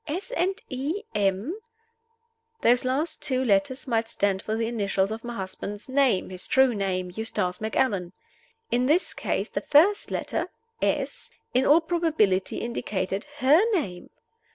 "S. and E. M.?" Those last two letters might stand for the initials of my husband's name his true name Eustace Macallan. In this case the first letter ("S.") in all probability indicated her name.